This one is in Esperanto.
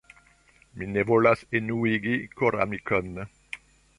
Mi ne volas enuigi koramikon.